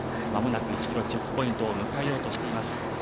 間もなく１ｋｍチェックポイントを迎えようとしています。